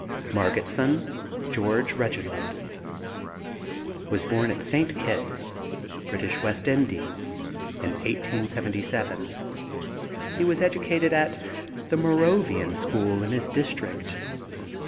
MARGETSON, GEORGE REGINALD. Was born at St. Kitts, British West Indies, in 1877. He was educated at the Moravian school in his district.